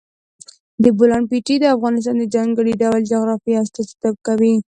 د بولان پټي د افغانستان د ځانګړي ډول جغرافیه استازیتوب کوي.